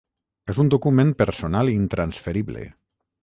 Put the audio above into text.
És un document personal i intransferible.